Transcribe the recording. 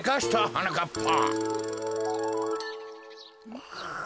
はなかっぱ。